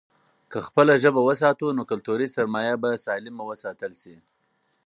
که خپله ژبه وساتو، نو کلتوري سرمايه به سالمه وساتل شي.